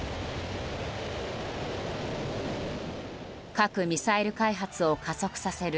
核・ミサイル開発を加速させる